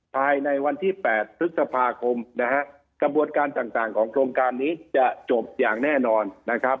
ภายในวันที่๘พฤษภาคมนะฮะกระบวนการต่างต่างของโครงการนี้จะจบอย่างแน่นอนนะครับ